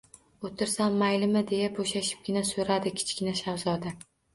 O‘tirsam maylimi? — deya bo‘shashibgina so‘radi Kichkina shahzoda.